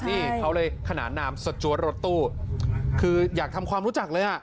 นี่เขาเลยขนานนามสจวดรถตู้คืออยากทำความรู้จักเลยอ่ะ